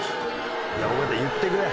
尾形言ってくれ。